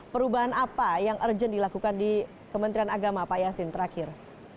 perubahan apa yang urgent dilakukan di kementerian agama pak yasin terakhir